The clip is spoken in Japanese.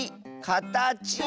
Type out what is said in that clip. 「かたち」！